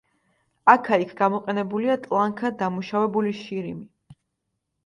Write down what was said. აქა-იქ გამოყენებულია ტლანქად დამუშავებული შირიმი.